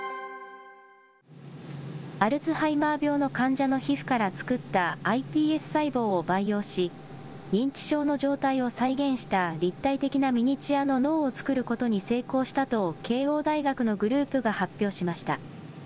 アルツハイマー病の患者の皮膚から作ったｉＰＳ細胞を培養し、認知症の状態を再現した立体的なミニチュアの脳を作ることに成功したと、慶応大学のグループが発表しました。